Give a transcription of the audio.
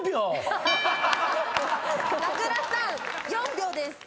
名倉さん４秒です。